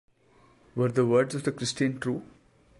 Were the words of the Christian true?